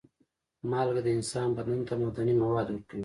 مالګه د انسان بدن ته معدني مواد ورکوي.